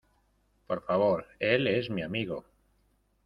Por favor. Él es mi amigo .